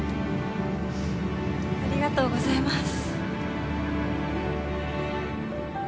ありがとうございます。